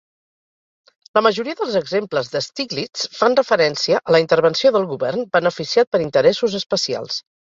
La majoria dels exemples de Stiglitz fan referència a la intervenció del Govern beneficiat per interessos especials.